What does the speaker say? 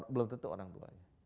belum tentu orang tuanya